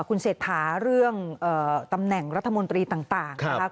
คุณเศรษฐาเรื่องตำแหน่งรัฐมนตรีต่างนะคะ